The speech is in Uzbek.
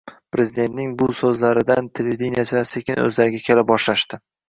Prezidentning bu so‘zlaridan televideniyechilar sekin o‘zlariga kela boshlashdi.